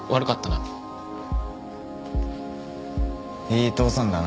いい父さんだな。